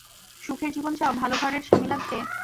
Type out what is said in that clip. সুখের জীবন চাও, ভালো ঘরের স্বামী লাগবে।